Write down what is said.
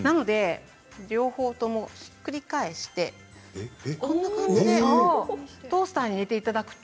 両方ともひっくり返してこんな感じでトースターに入れていただくと。